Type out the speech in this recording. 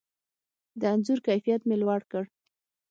د انځور کیفیت مې لوړ کړ.